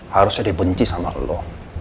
harusnya dia benci sama lo